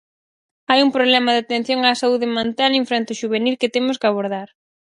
Hai un problema de atención á saúde mental infantoxuvenil que temos que abordar.